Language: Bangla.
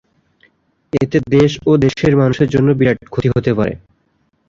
এতে দেশ ও দেশের মানুষের জন্য বিরাট ক্ষতি হতে পারে।